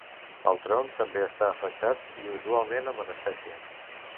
El tronc també està afectat i usualment amb anestèsia.